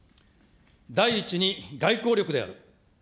第１に外交力である。